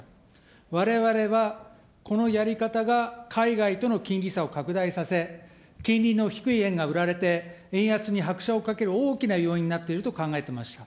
われわれはこのやり方が海外との金利差を拡大させ、金利の低い円が売られて、円安に拍車をかける大きな要因になっていると考えてました。